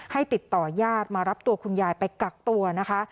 ติดต่อยาดมารับตัวคุณยายไปกักตัวนะคะ